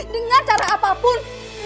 dengan cara apapun